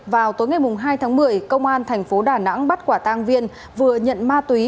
vào tối ngày hai tháng một mươi công an thành phố đà nẵng bắt quả tang viên vừa nhận ma túy